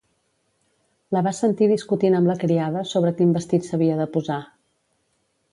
La va sentir discutint amb la criada sobre quin vestit s'havia de posar.